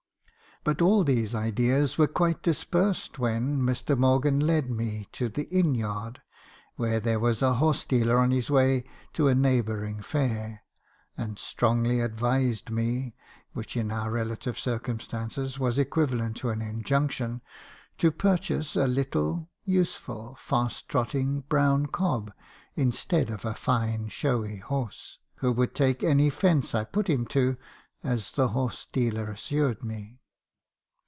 But all these ideas were quite dispersed when Mr. Morgan led me to the inn yard, where there was a horse dealer on his way to a neighbouring fair, and ' strongly advised me,' — which in our relative circumstances was equivalent to an injunction, — to purchase a little , useful, fast trotting, brown cob, instead of a fine showy horse, 'who would take any fence I put him to,' as the horse dealer assured me.